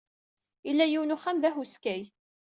Ila yiwen n uxxam d ahuskay.